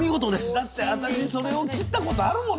だって私それを切ったことあるもの。